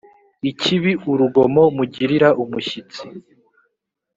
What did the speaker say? ikibi urugomo mugirira umushyitsi